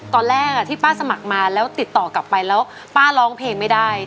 ตอนแรกที่ป้าสมัครมาแล้วติดต่อกลับไปแล้วป้าร้องเพลงไม่ได้